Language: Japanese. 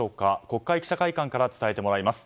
国会記者会館から伝えてもらいます。